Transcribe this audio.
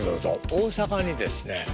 大阪にですね